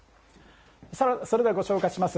それではご紹介します。